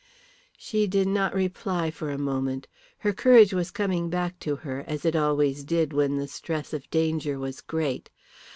She did not reply for a moment. Her courage was coming back to her, as it always did when the stress of danger was great.